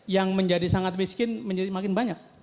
yang menjadi sangat miskin menjadi makin banyak